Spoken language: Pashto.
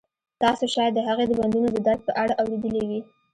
تاسو شاید د هغې د بندونو د درد په اړه اوریدلي وي